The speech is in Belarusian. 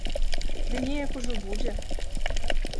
Ды неяк ужо будзе.